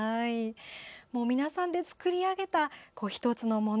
皆さんで作り上げた１つのもの